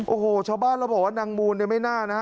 โอ้โหชาวบ้านเราบอกว่านางมูลเนี่ยไม่น่านะ